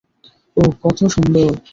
ও কত সুন্দর!